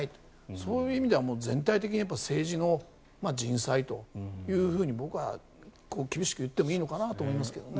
そういう意味では全体的に政治の人災というふうに僕は厳しく言ってもいいのかなと思いますけどね。